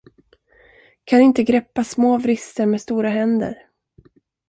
Kan inte greppa små vrister med stora händer!